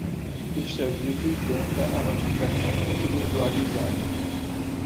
Este aviso isenta a notificação individualizada.